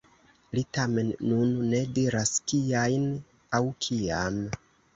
Li tamen nun ne diras kiajn aŭ kiam.